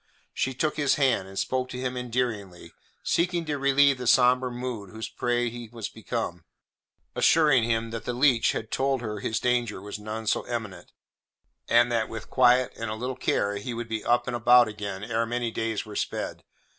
She took his hand, and spoke to him endearingly, seeking to relieve the sombre mood whose prey he was become, assuring him that the leech had told her his danger was none so imminent, and that with quiet and a little care he would be up and about again ere many days were sped.